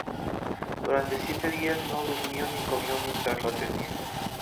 Durante siete días no durmió ni comió mientras lo atendía.